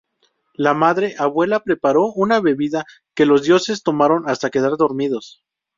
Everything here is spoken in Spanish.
La Madre Abuela preparó una bebida que los dioses tomaron hasta quedar dormidos.